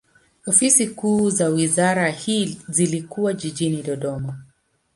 Ofisi kuu za wizara hii zilikuwa jijini Dodoma.